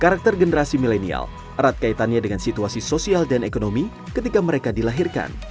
karakter generasi milenial erat kaitannya dengan situasi sosial dan ekonomi ketika mereka dilahirkan